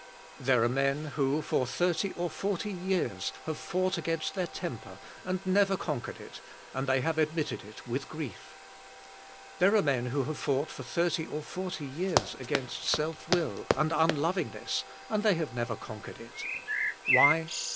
There are men who, for thirty or forty years, have foug ht ag amst their temper and never conquered it, and they have admitted it with grief. There are men who have foug ht for thirty or forty years against self will and unloving ness and they have never con quered it. Why?